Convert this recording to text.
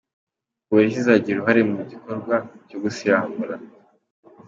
Polisi izagira uruhare mu gikorwa cyo gusiramura